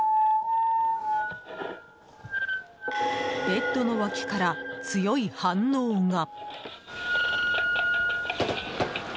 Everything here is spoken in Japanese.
ベッドの脇から強い反応が。